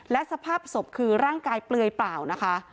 และสภาพศพคือร่างกายเปลือยเปล่านะคะ